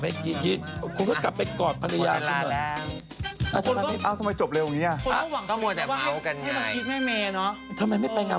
กระเทยเก่งกว่าเออแสดงความเป็นเจ้าข้าว